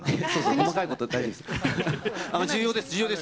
細かいことは大丈夫です。